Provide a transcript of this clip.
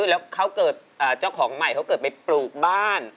แล้วเขาเกิดเจ้าของใหม่เขาเกิดไปปลูกบ้าน